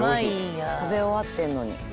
食べ終わってるのに。